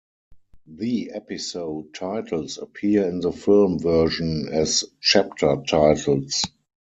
The episode titles appear in the film version as chapter titles.